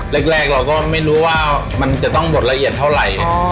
แรกเราก็ไม่รู้ว่ามันจะต้องหมดละเอียดเท่าไหร่